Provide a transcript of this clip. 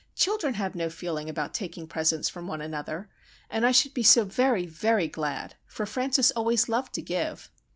"Children have no feeling about taking presents from one another,—and I should be so very, very glad. For Francis always loved to give!"